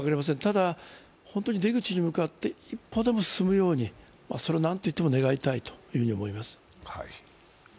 ただ、本当に出口に向かって一歩でも進むように、それを何といっても願いたいと思います。